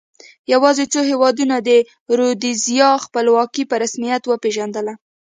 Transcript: یوازې څو هېوادونو د رودزیا خپلواکي په رسمیت وپېژندله.